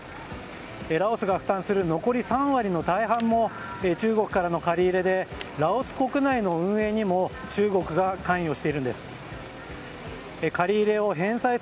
ラオスが負担する残り３割の大半も中国からの借り入れでラオス国内の運営にも中国が関与しているんです。